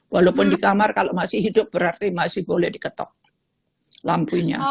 walaupun di kamar kalau masih hidup berarti masih boleh diketok lampunya